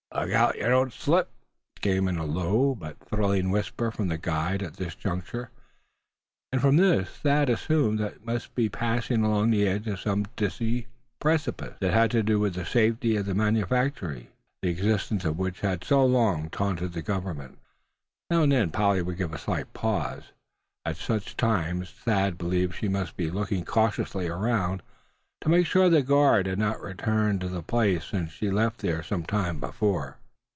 "Look out yer don't slip!" came in a low but thrilling whisper from the guide at this juncture; and from this Thad assumed that they must be passing along the edge of some dizzy precipice, that had to do with the safety of the manufactory, the existence of which had so long taunted the Government. Now and then Polly would give a slight pause. At such times Thad believed she must be looking cautiously around, to make sure that the guard had not returned to the place since she left there some time before.